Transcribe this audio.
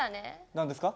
何ですか？